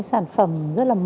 một số sản phẩm rất là mới